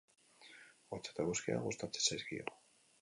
Hotza eta eguzkia gustatzen zaizkio.